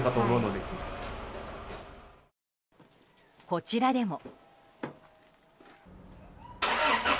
こちらでも。